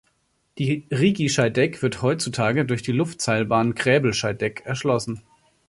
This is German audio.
Die Rigi-Scheidegg wird heutzutage durch die Luftseilbahn Kräbel–Scheidegg erschlossen.